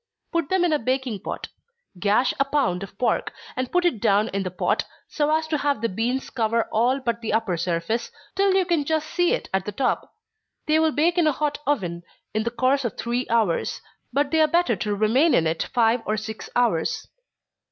Put them in a baking pot. Gash a pound of pork, and put it down in the pot, so as to have the beans cover all but the upper surface turn in cold water till you can just see it at the top. They will bake in a hot oven, in the course of three hours but they are better to remain in it five or six hours.